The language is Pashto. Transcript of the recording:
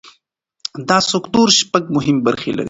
دا سکتور شپږ مهمې برخې لري.